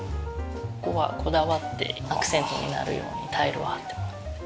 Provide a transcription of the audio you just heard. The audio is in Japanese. ここはこだわってアクセントになるようにタイルを貼ってもらって。